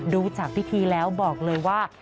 ดูจากพิธีแล้วบอกเลยว่า